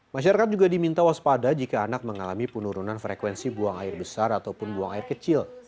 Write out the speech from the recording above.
masyarakat juga diminta waspada jika anak mengalami penurunan frekuensi buang air besar ataupun buang air kecil